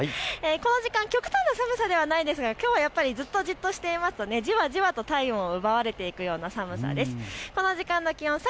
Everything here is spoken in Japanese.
この時間、極端な寒さではないですがきょうはずっとじっとしていますと体温をじわじわと奪われていくような感じです。